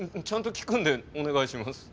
ちゃんと聴くんでお願いします。